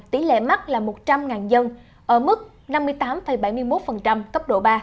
tỷ lệ mắc là một trăm linh dân ở mức năm mươi tám bảy mươi một cấp độ ba